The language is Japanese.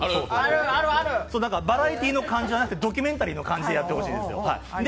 バラエティーの感じじゃなくてドキュメンタリーの感じでやってください。